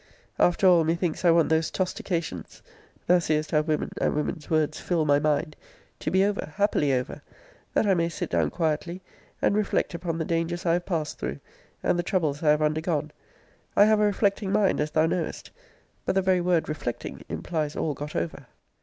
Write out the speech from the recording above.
After all, methinks I want those tostications [thou seest how women, and women's words, fill my mind] to be over, happily over, that I may sit down quietly, and reflect upon the dangers I have passed through, and the troubles I have undergone. I have a reflecting mind, as thou knowest; but the very word reflecting implies all got over.